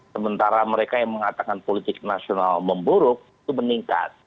sementara mereka yang mengatakan politik nasional memburuk itu meningkat